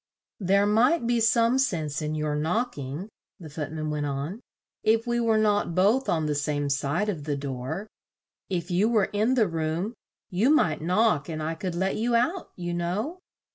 "There might be some sense in your knock ing," the Foot man went on, "if we were not both on the same side of the door. If you were in the room, you might knock and I could let you out, you know."